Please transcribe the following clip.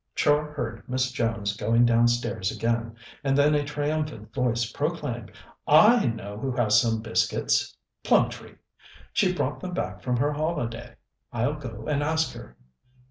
Char heard Miss Jones going downstairs again, and then a triumphant voice proclaimed: "I know who has some biscuits! Plumtree. She brought them back from her holiday. I'll go and ask her."